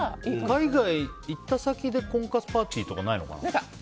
海外行った先で婚活パーティーとかないのかな。